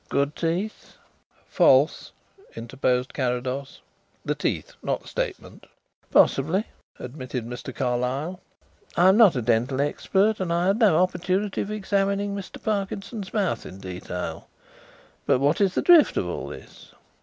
Good teeth." "False," interposed Carrados. "The teeth not the statement." "Possibly," admitted Mr. Carlyle. "I am not a dental expert and I had no opportunity of examining Mr. Parkinson's mouth in detail. But what is the drift of all this?"